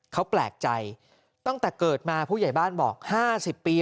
เขาแปลกใจตั้งแต่เกิดมาผู้ใหญ่บ้านบอก๕๐ปี